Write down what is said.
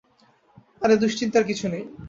আরে দুশ্চিন্তার কিছু নেই।